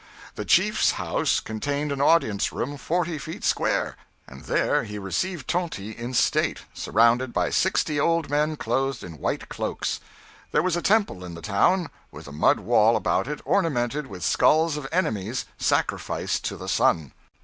The chiefs house contained an audience room forty feet square; and there he received Tonty in State, surrounded by sixty old men clothed in white cloaks. There was a temple in the town, with a mud wall about it ornamented with skulls of enemies sacrificed to the sun.